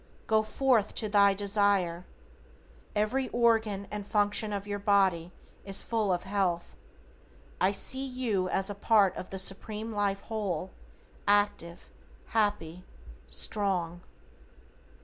Go forth to thy desire. Every organ and function of your body is full of health. I see you as a part of the Supreme Life whole, active, happy, strong.